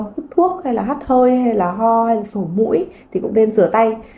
hút thuốc hay là hắt hơi hay là ho hay là sổ mũi thì cũng nên sửa tay